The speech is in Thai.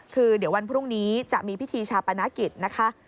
คือเดี๋ยววันพรุ่งนี้จะมีพิธีชาปนกิจนะคะ